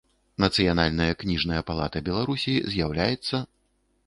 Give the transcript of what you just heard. Нацыянальная кнiжная палата Беларусi з’яўляецца.